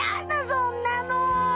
そんなの。